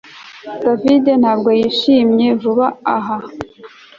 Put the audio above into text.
David ntabwo yishimye vuba aha